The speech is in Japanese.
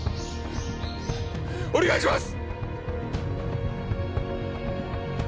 お願いします！